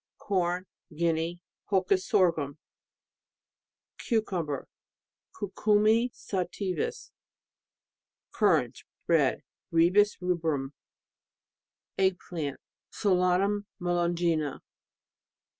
Corn, Guinea ... Holcus Sorghum. Cucumber ... Cucumi sativus, Currants, red Ribes rubrum. Egg plant .... Solanum melongena.